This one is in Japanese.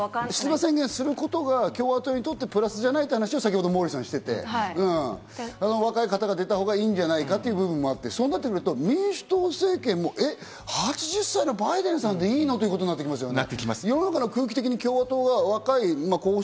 出馬宣言することが共和党にとってプラスじゃないという話を先ほどモーリーさんがしてた、若い方が出たほうがいいんじゃないかというものもあって、そうなると民主党政権も８０歳のバイデンさんでいいの？ってなってきますね。